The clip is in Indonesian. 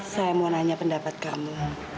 saya mau nanya pendapat kamu